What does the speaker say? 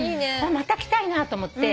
また来たいなと思って。